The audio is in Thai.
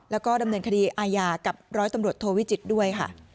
แล้วก็ดำเนินคดีอาญากับร้อยตำรวจโทวิจิตรด้วยค่ะ